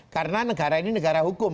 karena negara ini negara hukum